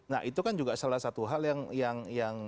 nah itu kan juga salah satu hal yang